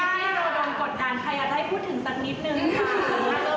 วันที่ที่โดนกรดการใครอาจพูดถึงสักนิดนึงค่ะ